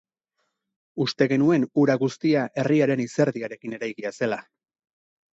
Uste genuen hura guztia herriaren izerdiarekin eraikia zela.